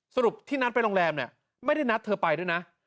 สรุปที่นัดไปโรงแรมเนี่ยไม่ได้นัดเธอไปด้วยนะ